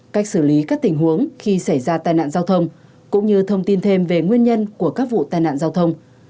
cách xử lý các tình huống khi xảy ra tai nạn giao thông cũng như thông tin thêm về nguyên nhân của các vụ tai nạn giao thông